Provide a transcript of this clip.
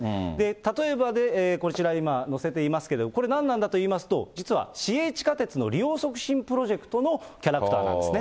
例えば、こちら、今、載せていますけど、これ、何なんだといいますと、実は市営地下鉄の利用促進プロジェクトのキャラクターなんですね。